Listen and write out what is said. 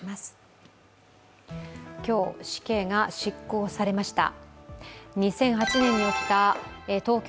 今日、死刑が執行されました。